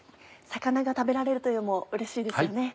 魚が食べられるというのもうれしいですよね。